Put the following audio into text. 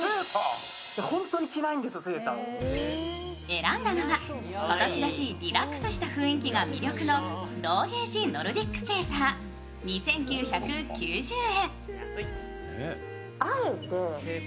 選んだのは今年らしいリラックスした雰囲気が魅力のローゲージ・ノルディックセーター２９９０円。